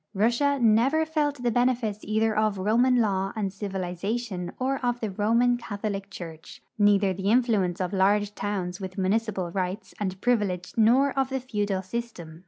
Russia never felt the bene fits either of Roman law and civilization or of the Roman Cath olic church ; neither the influence of large towns with municipal rights and privileges nor of the feudal system.